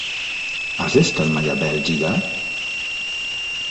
Has estat mai a Bèlgida?